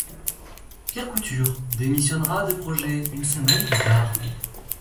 Pierre Couture démissionnera du projet une semaine plus tard.